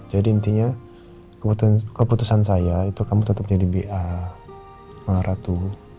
jadi intinya keputusan saya itu kamu tetep jadi ba ratu